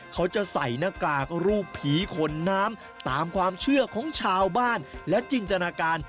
เขาจะใส่หน้ากากรูปผีขนน้ำตามความเชื่อของชาวบ้านและจินตนาการ